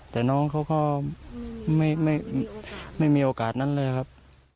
แต่น้องเขาก็ไม่มีโอกาสนั้นเลยครับ